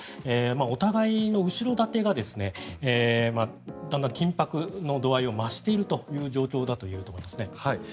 お互いの後ろ盾がだんだん緊迫の度合いを増しているという状況だと言えると思います。